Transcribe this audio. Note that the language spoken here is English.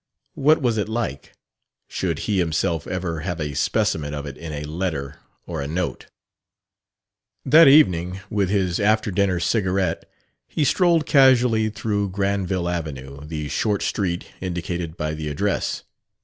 What was it like? Should he himself ever have a specimen of it in a letter or a note? That evening, with his after dinner cigarette, he strolled casually through Granville Avenue, the short street indicated by the address.